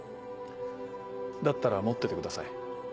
だったら持っててください。